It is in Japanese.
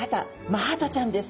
マハタちゃんです。